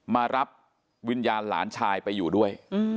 มารับวิญญาณหลานชายไปอยู่ด้วย